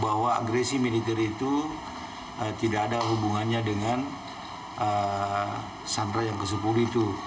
bahwa agresi militer itu tidak ada hubungannya dengan sandera yang kesepuluh itu